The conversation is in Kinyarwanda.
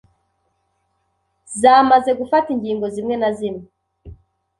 zamaze gufata ingingo zimwe na zimwe.